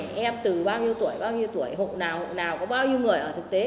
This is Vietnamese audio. các em từ bao nhiêu tuổi bao nhiêu tuổi hộ nào hộ nào có bao nhiêu người ở thực tế